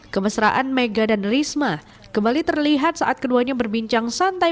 kemesraan mega dan risma kembali terlihat saat keduanya berbincang santai